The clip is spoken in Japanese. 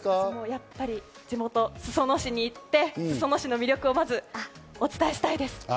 やっぱり地元・裾野市に行って裾野市の魅力をまずお伝えしたいです。